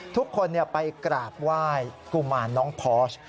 ทุกคนไปกราบไหว้กุมารน้องพอส